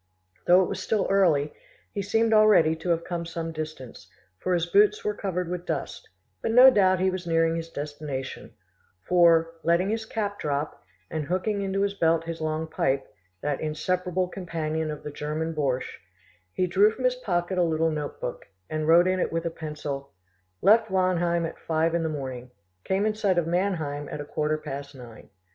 Though it was still early, he seemed already to have come some distance, for his boots were covered with dust; but no doubt he was nearing his destination, for, letting his cap drop, and hooking into his belt his long pipe, that inseparable companion of the German Borsch, he drew from his pocket a little note book, and wrote in it with a pencil: "Left Wanheim at five in the morning, came in sight of Mannheim at a quarter past nine."